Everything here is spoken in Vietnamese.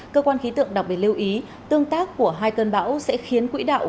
cơ quan khí tượng đặc biệt lưu ý tương tác của hai cơn bão sẽ khiến quỹ đạo